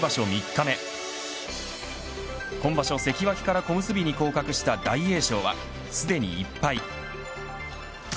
３日目今場所、関脇から小結に降格した大栄翔はすでに１敗。